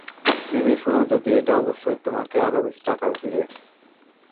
মিমি শোন, যদি এটা হয় অবশ্যই তোমাকে আরো বেশি টাকা দিবো।